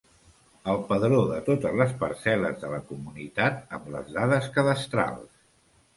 El padró de totes les parcel·les de la comunitat amb les dades cadastrals.